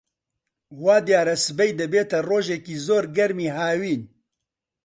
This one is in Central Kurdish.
وا دیارە سبەی دەبێتە ڕۆژێکی زۆر گەرمی هاوین.